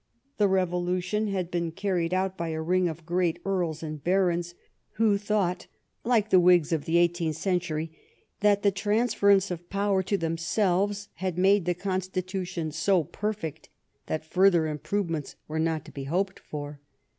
The revolution had been carried out by a ring of great earls and barons, who thought, like the Whigs of the eighteenth century, that the transference of power to themselves had made the constitution so perfect that further improvements were not to be hoped for.